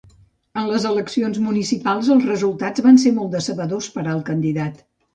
En les eleccions municipals els resultats van ser molt decebedors per al candidat.